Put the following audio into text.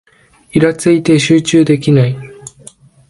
イラついて集中できない